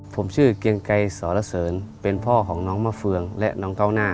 ผมชื่อเกียงไกรสรเสริญเป็นพ่อของน้องมะเฟืองและน้องเก้าหน้า